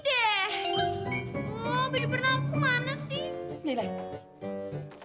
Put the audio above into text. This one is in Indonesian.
aduh baju perna aku mana sih